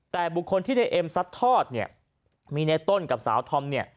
แต่บุคคลที่ได้เอ็มซัดทอดมีในต้นกับสาวธรรม